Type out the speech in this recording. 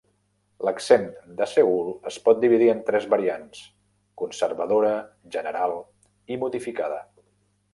L'accent de Seül es pot dividir en tres variants: conservadora, general i modificada.